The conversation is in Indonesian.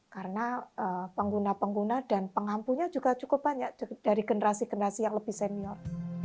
karena pengguna pengguna dan pengampunya juga cukup banyak dari generasi generasi yang lebih senior